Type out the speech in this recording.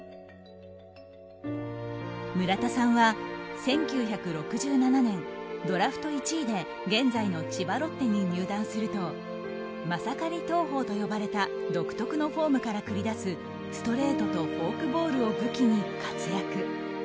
村田さんは１９６７年ドラフト１位で現在の千葉ロッテに入団するとマサカリ投法と呼ばれた独特のフォームから繰り出すストレートとフォークボールを武器に活躍。